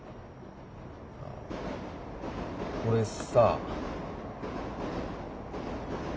俺さ。